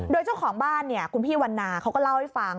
โดยเจ้าของบ้านเนี่ยคุณพี่วันนาเขาก็เล่าให้ฟัง